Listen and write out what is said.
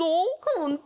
ほんと？